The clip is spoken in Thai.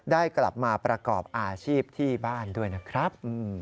ได้กลับมาประกอบอาชีพที่บ้านด้วยนะครับ